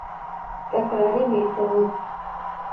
تکراري ميتود: